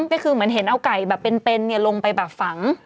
ก็คือเหมือนเห็นเอาไก่แบบเป็นลงไปแบบฝัง